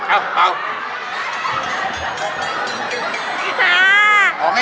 เอ้าเปล่า